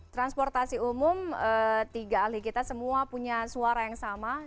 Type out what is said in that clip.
transportasi umum tiga ahli kita semua punya suara yang sama